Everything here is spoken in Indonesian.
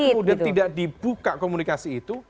kemudian tidak dibuka komunikasi itu